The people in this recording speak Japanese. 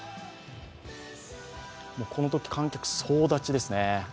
このとき観客、総立ちですね。